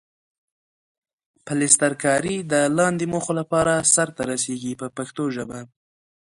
پلسترکاري د لاندې موخو لپاره سرته رسیږي په پښتو ژبه.